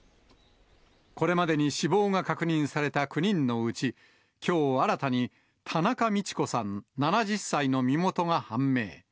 これまでに死亡が確認された９人のうち、きょう新たに田中路子さん７０歳の身元が判明。